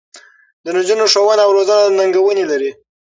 د نجونو ښوونه او روزنه ننګونې لري.